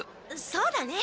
そうだね。